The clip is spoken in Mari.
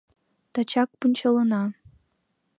Тачак пунчалына.